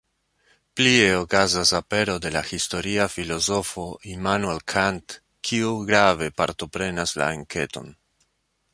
Plie okazas apero de la historia filozofo Immanuel Kant, kiu grave partoprenas la enketon.